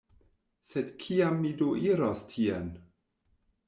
Sed kiam mi do iros tien?